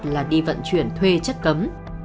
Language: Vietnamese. là đi vận chuyển thuê chất cấm